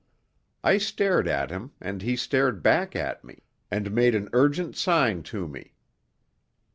I stared at him and he stared back at me, and made an urgent sign to me.